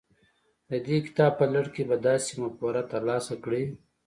د دې کتاب په لړ کې به داسې مفکوره ترلاسه کړئ.